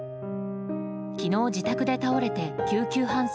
昨日、自宅で倒れて救急搬送。